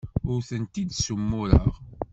Ur tent-id-ssumureɣ.